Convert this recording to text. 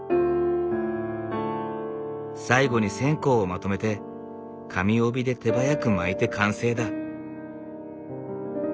最後に線香をまとめて紙帯で手早く巻いて完成だ。